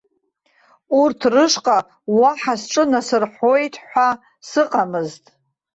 Урҭ рышҟа уаҳа сҿы насырҳәуеит ҳәа сыҟамызт.